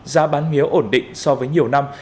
giá bán mía ổn định so với nhiều năm